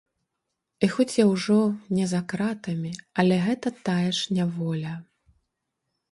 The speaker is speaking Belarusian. І хоць я ўжо не за кратамі, але гэта тая ж няволя.